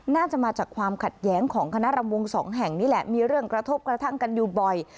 น่าจะมาจากความขัดแย้งของคณะรำวงสองแห่งนี่แหละมีเรื่องกระทบกระทั่งกันอยู่บ่อย